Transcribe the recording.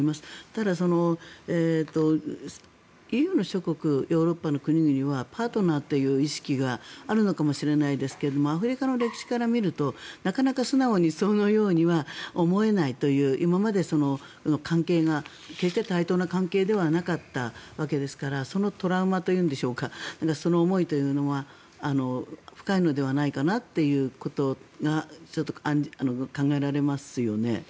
ただ、ＥＵの諸国ヨーロッパの国々はパートナーという意識があるのかもしれないですけれどアフリカの歴史から見るとなかなか素直にそのようには思えないという今までの関係が決して対等な関係ではなかったのでそのトラウマというんでしょうかその思いというのが深いのではないかなということが考えられますよね。